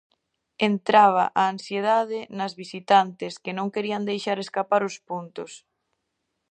Entraba a ansiedade nas visitantes que non querían deixar escapar os puntos.